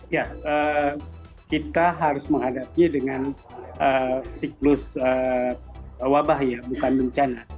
ya kita harus menghadapi dengan siklus wabah ya bukan bencana